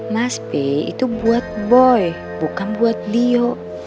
mas pi itu buat boy bukan buat dio